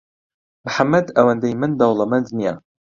محەممەد ئەوەندی من دەوڵەمەند نییە.